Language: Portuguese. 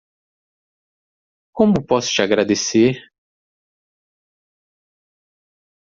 Como posso te agradecer?